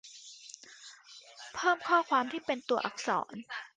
เพิ่มข้อความที่เป็นตัวอักษร